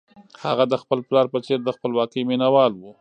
هغه د خپل پلار په څېر د خپلواکۍ مینه وال و.